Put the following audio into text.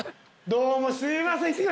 どうもすいません。